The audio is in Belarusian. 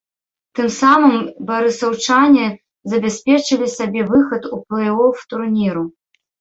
Тым самым барысаўчане забяспечылі сабе выхад у плэй-оф турніру.